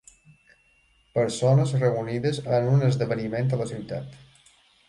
Persones reunides en un esdeveniment a la ciutat.